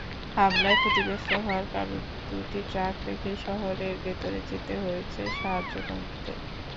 হামলায় ক্ষতিগ্রস্ত হওয়ার কারণে দুটি ট্রাক রেখেই শহরের ভেতরে যেতে হয়েছে সাহায্যকর্মীদের।